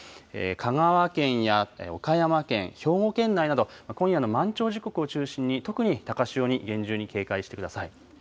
香川県や岡山県、兵庫県内など、今夜の満潮時刻を中心に特に高潮に厳重に警戒してください。